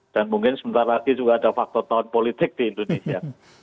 dan mungkin sebentar lagi juga ada faktor tahun politik di indonesia